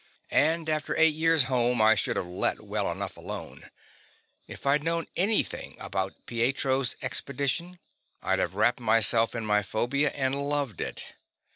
And after eight years home, I should have let well enough alone. If I'd known anything about Pietro's expedition, I'd have wrapped myself in my phobia and loved it.